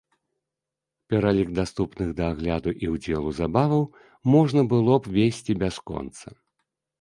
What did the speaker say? Пералік даступных да агляду і ўдзелу забаваў можна было б весці бясконца.